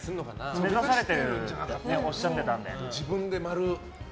目指されてるっておっしゃってたので。